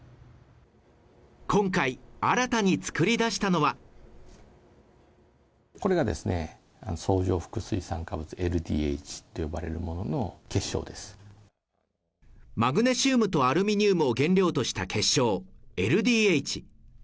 今回新たに作り出したのはマグネシウムとアルミニウムを原料とした結晶・ＬＤＨ。